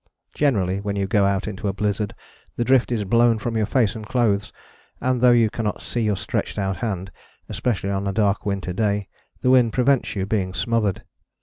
Generally when you go out into a blizzard the drift is blown from your face and clothes, and though you cannot see your stretched out hand, especially on a dark winter day, the wind prevents you being smothered.